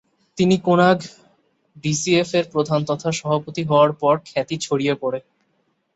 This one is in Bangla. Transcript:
তিনি কোনাগ-ডিসিএফ এর প্রধান তথা সভাপতি হওয়ার পর তার খ্যাতি ছড়িয়ে পড়ে।